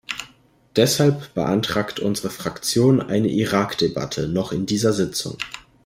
Deshalb beantragt unsere Fraktion eine Irak-Debatte noch in dieser Sitzung.